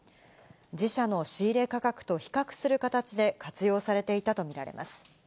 自社の仕入れ価格と比較する形で活用されていたと見られます。